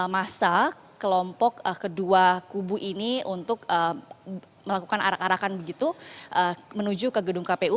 masa kelompok kedua kubu ini untuk melakukan arak arakan begitu menuju ke gedung kpu